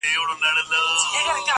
پر خپل پلار باندي شکمن سو ورپسې سو-